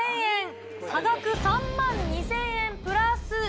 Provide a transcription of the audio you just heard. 差額３万２０００円プラス。